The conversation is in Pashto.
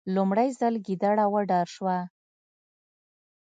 لومړی ځل ګیدړه وډار شوه.